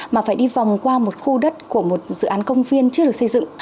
mà phải đi vòng qua một khu đất của một dự án công viên chưa được xây dựng